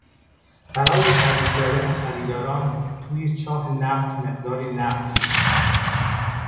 برای فریب دادن خریداران توی چاه نفت مقداری نفت ریختند.